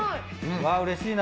うれしいな。